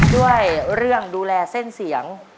ด้วยเรื่องดูแลเส้นเสียง